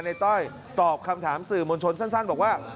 ต้อยตอบคำถามสื่อมวลชนสั้นบอกว่า